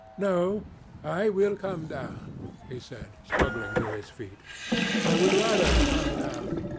"No, I will come down," he said, struggling to his feet. "I would rather come down.